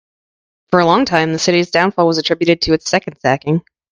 For a long time, the city's downfall was attributed to its second sacking.